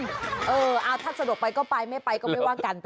ถ้าโทษไปก็ไปไม่ไปก็ไม่ว่ากัน